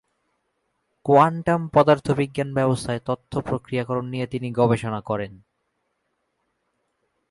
কোয়ান্টাম-পদার্থবিজ্ঞান ব্যবস্থায় তথ্য প্রক্রিয়াকরণ নিয়ে তিনি গবেষণা করেন।